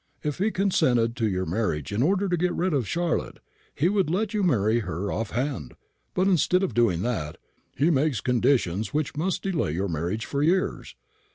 If he consented to your marriage in order to get rid of Charlotte, he would let you marry her off hand; but instead of doing that, he makes conditions which must delay your marriage for years.